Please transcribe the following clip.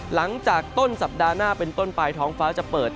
หลังจากต้นสัปดาห์หน้าเป็นต้นไปท้องฟ้าจะเปิด